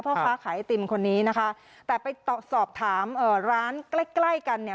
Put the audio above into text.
พ่อค้าขายไอติมคนนี้นะคะแต่ไปสอบถามเอ่อร้านใกล้ใกล้กันเนี่ย